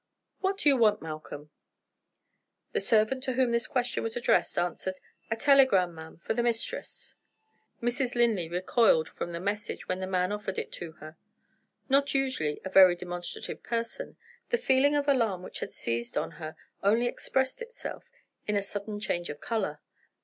What do you want, Malcolm?" The servant to whom this question was addressed answered: "A telegram, ma'am, for the mistress." Mrs. Linley recoiled from the message when the man offered it to her. Not usually a very demonstrative person, the feeling of alarm which had seized on her only expressed itself in a sudden change of color.